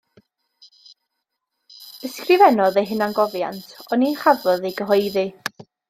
Ysgrifennodd ei hunangofiant, ond ni chafodd ei gyhoeddi.